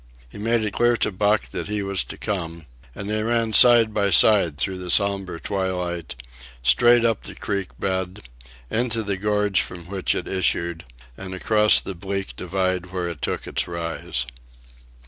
He made it clear to Buck that he was to come, and they ran side by side through the sombre twilight, straight up the creek bed, into the gorge from which it issued, and across the bleak divide where it took its rise.